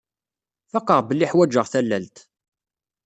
Faqeɣ belli uḥwaǧeɣ tallalt.